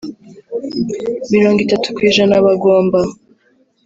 mirongo itatu ku ijana bagomba